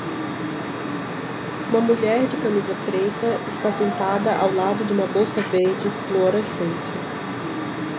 Uma mulher de camisa preta está sentada ao lado de uma bolsa verde fluorescente.